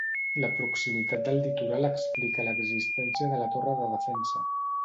La proximitat del litoral explica l'existència de la torre de defensa.